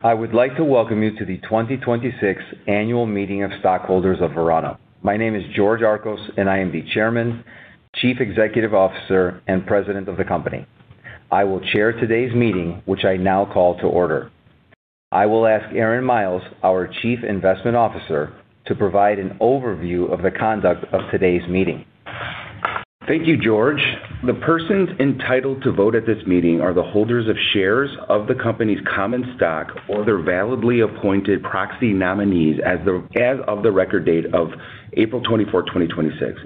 I would like to welcome you to the 2026 Annual Meeting of Stockholders of Verano. My name is George Archos, and I am the Chairman, Chief Executive Officer, and President of the company. I will chair today's meeting, which I now call to order. I will ask Aaron Miles, our Chief Investment Officer, to provide an overview of the conduct of today's meeting. Thank you, George. The persons entitled to vote at this meeting are the holders of shares of the company's common stock or their validly appointed proxy nominees as of the record date of April 24th, 2026.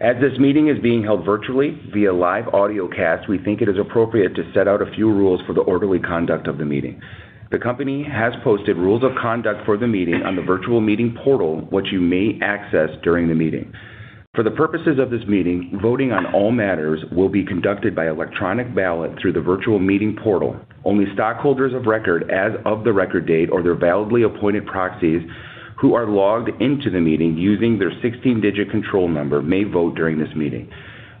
As this meeting is being held virtually via live audio cast, we think it is appropriate to set out a few rules for the orderly conduct of the meeting. The company has posted rules of conduct for the meeting on the virtual meeting portal, which you may access during the meeting. For the purposes of this meeting, voting on all matters will be conducted by electronic ballot through the virtual meeting portal. Only stockholders of record as of the record date or their validly appointed proxies who are logged into the meeting using their 16-digit control number may vote during this meeting.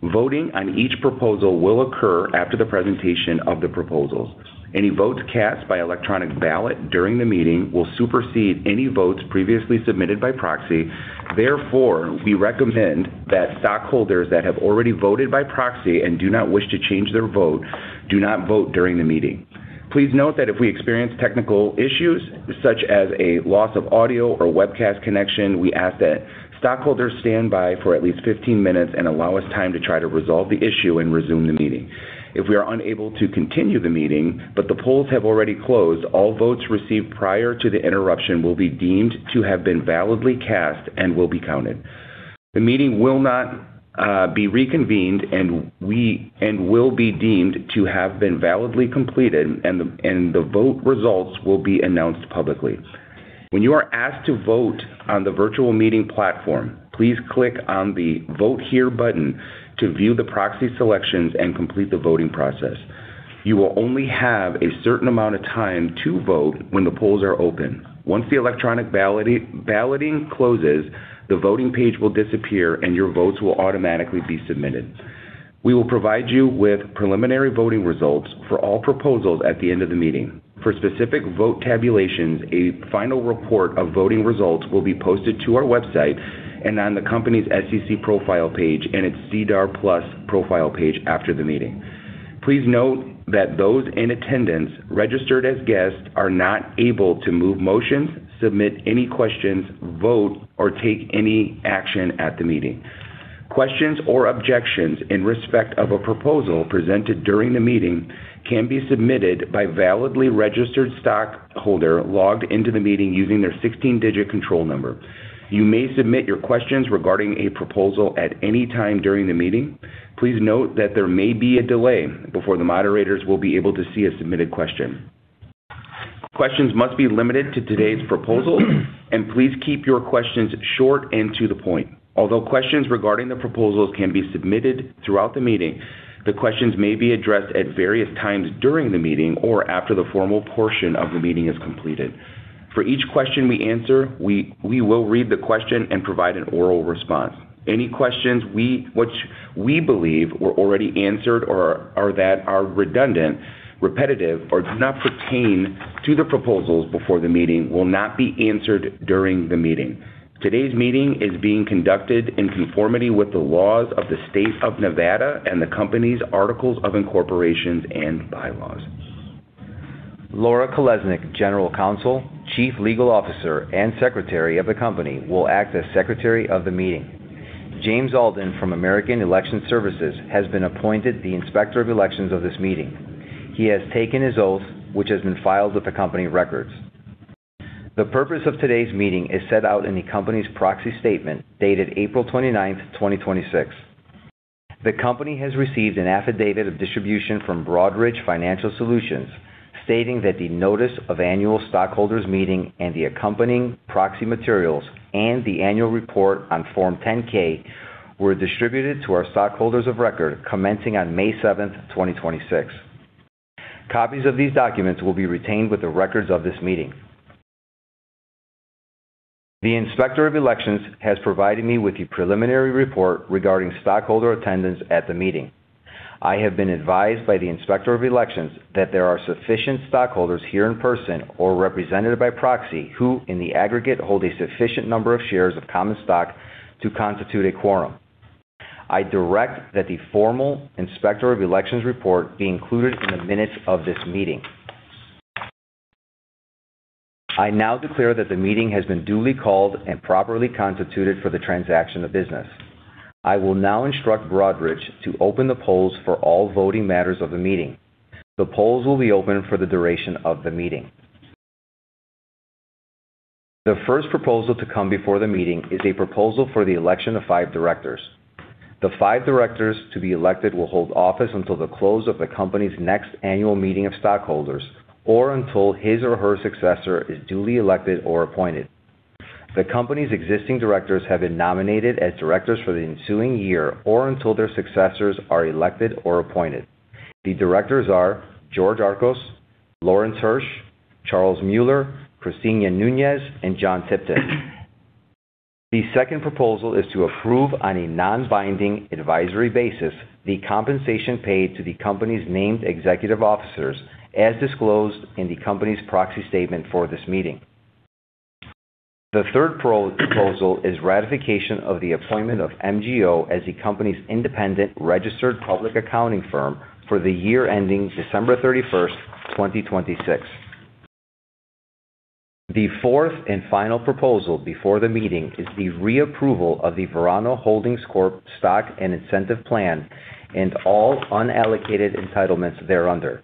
Voting on each proposal will occur after the presentation of the proposals. Any votes cast by electronic ballot during the meeting will supersede any votes previously submitted by proxy. Therefore, we recommend that stockholders that have already voted by proxy and do not wish to change their vote do not vote during the meeting. Please note that if we experience technical issues such as a loss of audio or webcast connection, we ask that stockholders stand by for at least 15 minutes and allow us time to try to resolve the issue and resume the meeting. If we are unable to continue the meeting but the polls have already closed, all votes received prior to the interruption will be deemed to have been validly cast and will be counted. The meeting will not be reconvened and will be deemed to have been validly completed, and the vote results will be announced publicly. When you are asked to vote on the virtual meeting platform, please click on the Vote Here button to view the proxy selections and complete the voting process. You will only have a certain amount of time to vote when the polls are open. Once the electronic balloting closes, the voting page will disappear, and your votes will automatically be submitted. We will provide you with preliminary voting results for all proposals at the end of the meeting. For specific vote tabulations, a final report of voting results will be posted to our website and on the company's SEC profile page and its SEDAR+ profile page after the meeting. Please note that those in attendance registered as guests are not able to move motions, submit any questions, vote, or take any action at the meeting. Questions or objections in respect of a proposal presented during the meeting can be submitted by validly registered stockholder logged into the meeting using their 16-digit control number. You may submit your questions regarding a proposal at any time during the meeting. Please note that there may be a delay before the moderators will be able to see a submitted question. Questions must be limited to today's proposals, and please keep your questions short and to the point. Although questions regarding the proposals can be submitted throughout the meeting, the questions may be addressed at various times during the meeting or after the formal portion of the meeting is completed. For each question we answer, we will read the question and provide an oral response. Any questions which we believe were already answered or that are redundant, repetitive, or do not pertain to the proposals before the meeting will not be answered during the meeting. Today's meeting is being conducted in conformity with the laws of the State of Nevada and the company's articles of incorporation and bylaws. Laura Kalesnik, General Counsel, Chief Legal Officer, and Secretary of the company, will act as Secretary of the meeting. James Alden from American Election Services has been appointed the Inspector of Elections of this meeting. He has taken his oath, which has been filed with the company records. The purpose of today's meeting is set out in the company's proxy statement dated April 29th, 2026. The company has received an affidavit of distribution from Broadridge Financial Solutions, stating that the notice of annual stockholders meeting and the accompanying proxy materials and the annual report on Form 10-K were distributed to our stockholders of record commencing on May 7th, 2026. Copies of these documents will be retained with the records of this meeting. The Inspector of Elections has provided me with the preliminary report regarding stockholder attendance at the meeting. I have been advised by the Inspector of Elections that there are sufficient stockholders here in person or represented by proxy who, in the aggregate, hold a sufficient number of shares of common stock to constitute a quorum. I direct that the formal Inspector of Elections report be included in the minutes of this meeting. I now declare that the meeting has been duly called and properly constituted for the transaction of business. I will now instruct Broadridge to open the polls for all voting matters of the meeting. The polls will be open for the duration of the meeting. The first proposal to come before the meeting is a proposal for the election of five directors. The five directors to be elected will hold office until the close of the company's next annual meeting of stockholders or until his or her successor is duly elected or appointed. The company's existing directors have been nominated as directors for the ensuing year or until their successors are elected or appointed. The directors are George Archos, Lawrence Hirsh, Charles Mueller, Cristina Nunez, and John Tipton. The second proposal is to approve on a non-binding advisory basis the compensation paid to the company's named executive officers as disclosed in the company's proxy statement for this meeting. The third proposal is ratification of the appointment of MGO as the company's independent registered public accounting firm for the year ending December 31st, 2026. The fourth and final proposal before the meeting is the re-approval of the Verano Holdings Corp Stock and Incentive Plan and all unallocated entitlements thereunder,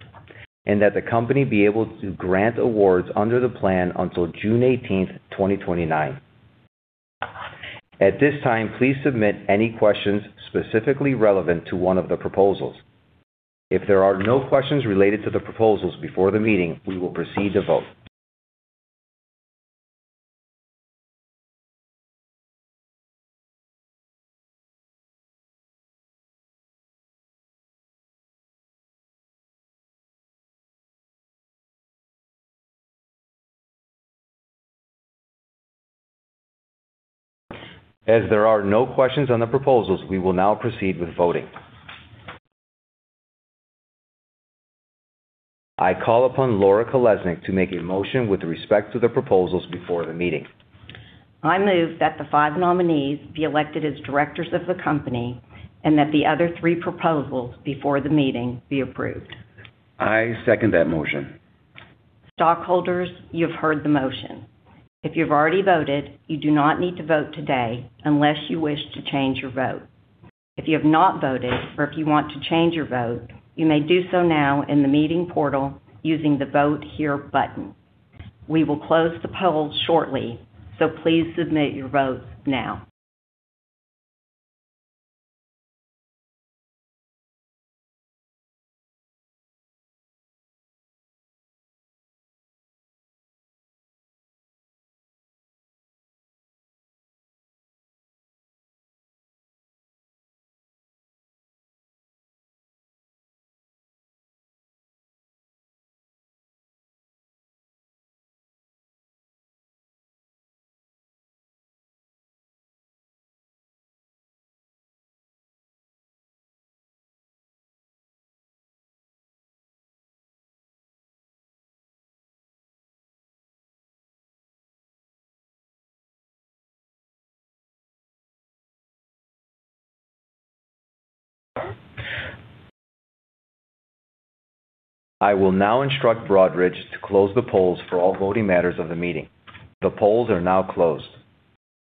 and that the company be able to grant awards under the plan until June 18th, 2029. At this time, please submit any questions specifically relevant to one of the proposals. If there are no questions related to the proposals before the meeting, we will proceed to vote. As there are no questions on the proposals, we will now proceed with voting. I call upon Laura Kalesnik to make a motion with respect to the proposals before the meeting. I move that the five nominees be elected as directors of the company and that the other three proposals before the meeting be approved. I second that motion. Stockholders, you have heard the motion. If you've already voted, you do not need to vote today unless you wish to change your vote. If you have not voted or if you want to change your vote, you may do so now in the meeting portal using the Vote Here button. We will close the poll shortly, please submit your votes now. I will now instruct Broadridge to close the polls for all voting matters of the meeting. The polls are now closed.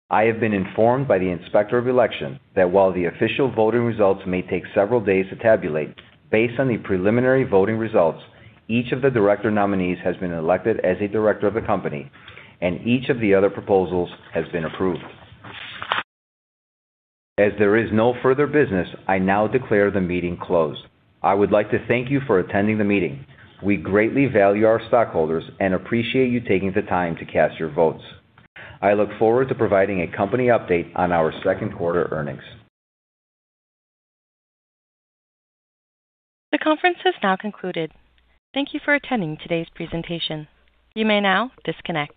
I have been informed by the Inspector of Election that while the official voting results may take several days to tabulate, based on the preliminary voting results, each of the director nominees has been elected as a director of the company, each of the other proposals has been approved. As there is no further business, I now declare the meeting closed. I would like to thank you for attending the meeting. We greatly value our stockholders and appreciate you taking the time to cast your votes. I look forward to providing a company update on our second quarter earnings. The conference has now concluded. Thank you for attending today's presentation. You may now disconnect.